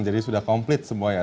jadi sudah komplit semua ya